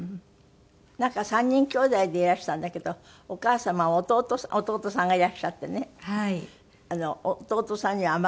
なんか３人きょうだいでいらしたんだけどお母様は弟さん弟さんがいらっしゃってね弟さんには甘かったんですって？